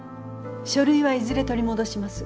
書類はいずれ取り戻します。